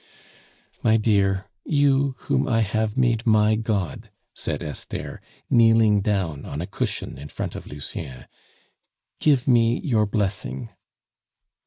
"My dear, you whom I have made my God," said Esther, kneeling down on a cushion in front of Lucien, "give me your blessing."